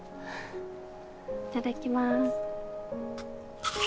いただきます。